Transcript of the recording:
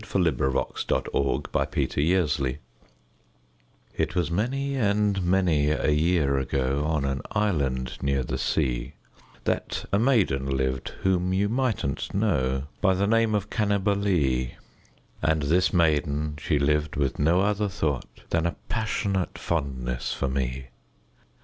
V^ Unknown, } 632 Parody A POE 'EM OF PASSION It was many and many a year ago, On an island near the sea, That a maiden lived whom you migbtnH know By the name of Cannibalee; And this maiden she lived with no other thought Than a passionate fondness for me.